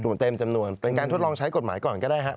เต็มจำนวนเป็นการทดลองใช้กฎหมายก่อนก็ได้ครับ